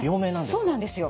そうなんですよ。